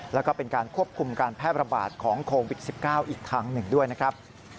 แล้วก็เป็นการควบคุมการแพร่ระบาดของโควิด๑๙อีกทางหนึ่งด้วยนะครับ